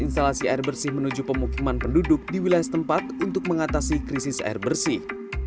instalasi air bersih menuju pemukiman penduduk di wilayah setempat untuk mengatasi krisis air bersih